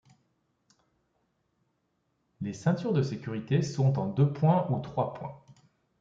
Les ceintures de sécurités sont en deux points ou trois points.